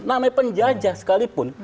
namanya penjajah sekalipun